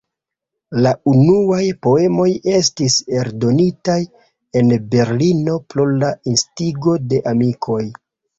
La unuaj poemoj estis eldonitaj en Berlino pro la instigo de amikoj.